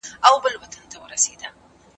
د نجونو زده کړه د عامه اعتماد ساتنه کوي.